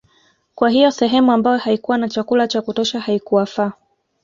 Kwa hiyo sehemu ambayo haikuwa na chakula cha kutosha haikuwafaa